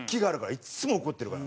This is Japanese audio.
いつも怒ってるから。